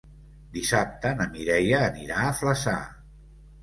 Dissabte na Mireia anirà a Flaçà.